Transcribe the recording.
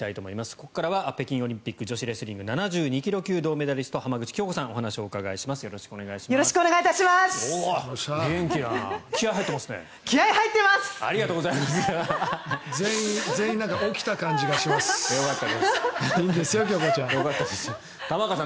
ここからは北京オリンピック女子レスリング７２ｋｇ級銅メダリスト浜口京子さん